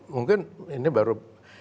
mungkin ini baru